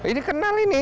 ini kenal ini